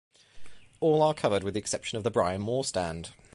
All are covered with the exception of the Brian Moore Stand.